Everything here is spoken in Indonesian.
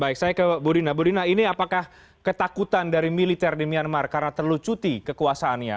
baik saya ke bu dina budina ini apakah ketakutan dari militer di myanmar karena terlalu cuti kekuasaannya